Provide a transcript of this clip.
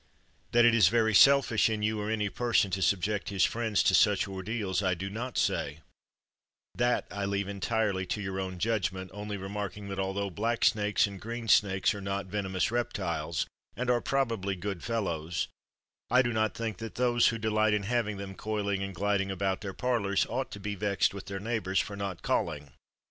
That it is very selfish in you or any person to subject his friends to such ordeals I do not say; that I leave entirely to your own judgment, only remarking that although black snakes and green snakes are not venomous reptiles, and are probably 'good fellows,' I do not think that those who delight in having them coiling and gliding about their parlors ought to be vexed with their neighbors for not calling.